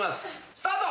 スタート！